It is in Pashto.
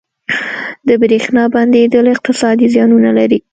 • د برېښنا بندیدل اقتصادي زیانونه لري.